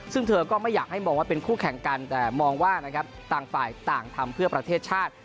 ซึ่งเธอก็ไม่อยากให้มองว่าเป็นคู่แข่งกันแต่มองว่านะครับต่างฝ่ายต่างทำเพื่อประเทศชาติ